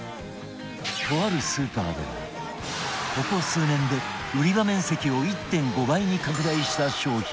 とあるスーパーではここ数年で売り場面積を １．５ 倍に拡大した商品